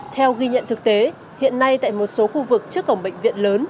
theo ghi nhận thực tế hiện nay tại một số khu vực trước cổng bệnh viện lớn